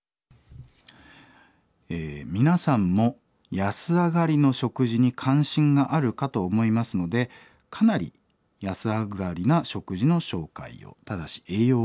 「皆さんも安上がりの食事に関心があるかと思いますのでかなり安上がりな食事の紹介をただし栄養は偏ります」。